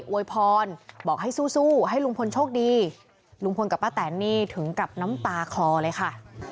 วยพรบอกให้สู้ให้ลุงพลโชคดีลุงพลกับป้าแตนนี่ถึงกับน้ำตาคลอเลยค่ะ